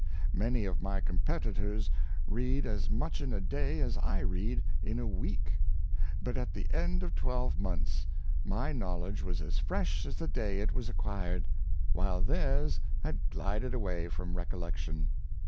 Many of my competitors read as much in a day as I read in a week; but, at the end of twelve months, my knowledge was as fresh as the day it was acquired, while theirs had glided away from recollection.